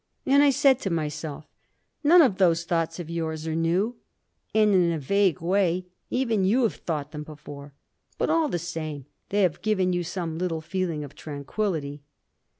And I said to myself: "None of those thoughts of yours are new, and in a vague way even you have thought them before; but all the same, they have given you some little feeling of tranquillity."